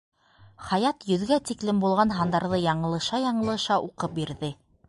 Хаят йөҙгә тиклем булған һандарҙы яңылыша-яңылыша уҡып бирҙе.